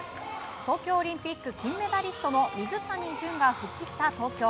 東京オリンピック金メダリストの水谷隼が復帰した東京。